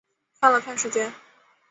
看了看时间